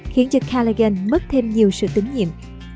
khiến callaghan mất thêm nhiều sự tín nhiệm